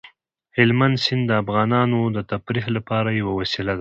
هلمند سیند د افغانانو د تفریح لپاره یوه وسیله ده.